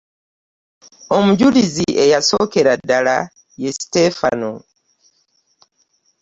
Omujulizi eyasookera ddala ye Siteefano.